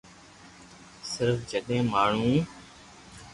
صرف جڏهن ماڻهو